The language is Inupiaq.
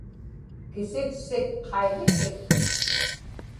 kisivsik qaivisik